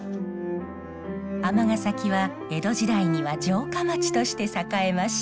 尼崎は江戸時代には城下町として栄えました。